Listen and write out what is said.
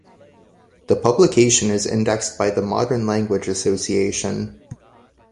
The publication is indexed by the Modern Language Association.